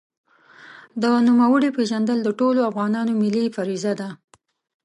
د نوموړي پېژندل د ټولو افغانانو ملي فریضه ده.